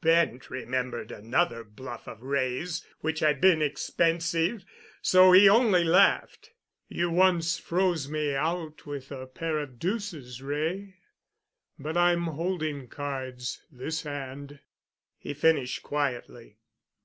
Bent remembered another bluff of Wray's which had been expensive, so he only laughed. "You once froze me out with a pair of deuces, Wray, but I'm holding cards this hand," he finished quietly.